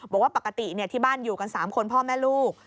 บอกว่าปกติที่บ้านอยู่กัน๓คนพ่อแม่ลูก